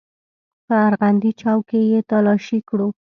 په ارغندې چوک کښې يې تلاشي کړو.